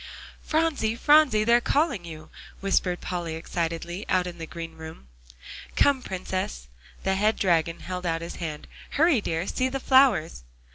"Phronsie, Phronsie, they're calling you," whispered Polly excitedly, out in the green room. "Come, Princess." The head dragon held out his hand. "Hurry dear! See the flowers!"